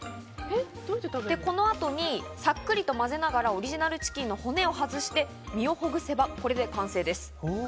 この後にさっくりとまぜながらオリジナルチキンの骨を外して、身をほぐせばこれで完成です。